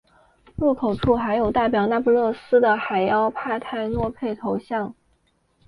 入口处还有代表那不勒斯的海妖帕泰诺佩头像。